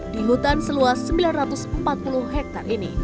di hutan seluas sembilan ratus empat puluh hektare ini